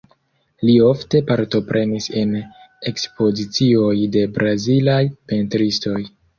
Li ofte partoprenis en ekspozicioj de brazilaj pentristoj.